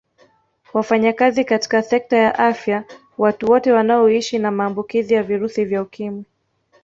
Wafanyakazi katika sekta ya afya Watu wote wanaoishi na maambukizi ya virusi vya Ukimwi